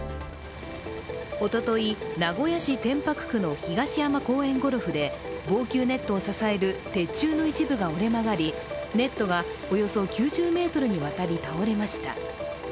おととい、名古屋市天白区の東山公園ゴルフで、防球ネットを支える鉄柱の一部が折れ曲がり、ネットがおよそ９０ｍにわたり倒れました。